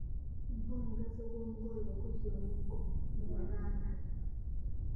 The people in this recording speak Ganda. Mpa omugaso gw’omugole okuzza omuzigo mu Buganda.